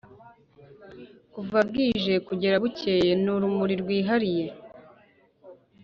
kuva bwije kugera bukeye n'urumuri rwihariye